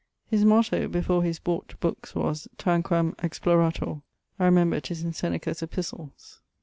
His motto before his (bought) bookes was, Tanquam Explorator. I remember 'tis in Seneca's Epistles.